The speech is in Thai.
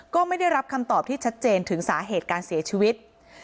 ก็ไม่ได้รับคำตอบที่ชัดเจนถึงสาเหตุการเสียชีวิต